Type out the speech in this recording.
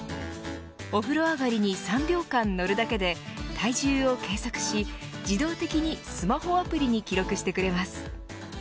お風呂上がりに３秒間乗るだけで体重を計測し自動的にスマホアプリに記録してくれます。